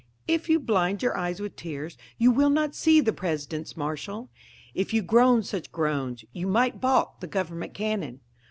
If you blind your eyes with tears, you will not see the President's marshal; If you groan such groans, you might balk the government cannon.